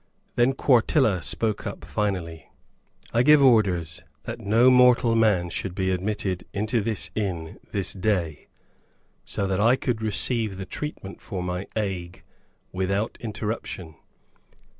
(Then Quartilla spoke up, finally,) "I gave orders that no mortal man should be admitted into this inn, this day, so that I could receive the treatment for my ague without interruption!"